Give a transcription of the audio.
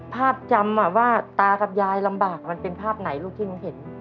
จำว่าตากับยายลำบากมันเป็นภาพไหนลูกที่หนูเห็น